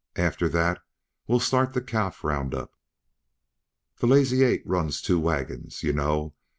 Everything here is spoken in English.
After that we'll start the calf roundup. The Lazy Eight runs two wagons, yuh know.